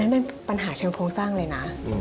มันเป็นปัญหาเชิงโครงสร้างเลยนะ